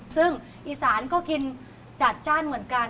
ซึ่งอีสานก็กินจัดจ้านเหมือนกัน